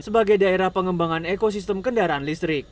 sebagai daerah pengembangan ekosistem kendaraan listrik